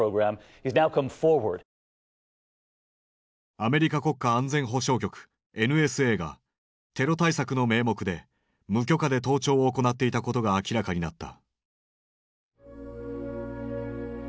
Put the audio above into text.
アメリカ国家安全保障局ＮＳＡがテロ対策の名目で無許可で盗聴を行っていたことが明らかになった。